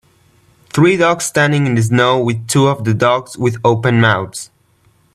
Three dogs standing in the snow with two of the dogs with open mouths.